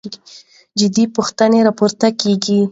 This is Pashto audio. جدي پوښتنې راپورته کېږي.